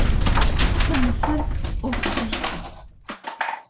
Фэмыфыр пӏофтэщтэп.